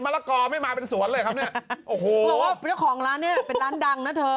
มะละกอไม่มาเป็นสวนเลยครับกูบอกว่าเจ้าของร้านนี้เป็นร้านดังนะเธอ